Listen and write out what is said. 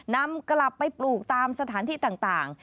นำกลับไปปลูกตามสถานที่ต่าง